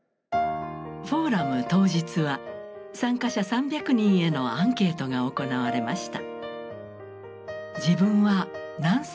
フォーラム当日は参加者３００人へのアンケートが行われました。